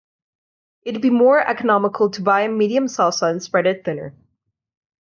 It'd be more economical to buy medium salsa and spread it thinner.